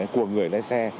của người lái xe